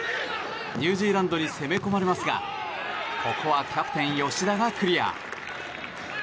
ニュージーランドに攻め込まれますがここはキャプテン、吉田がクリア。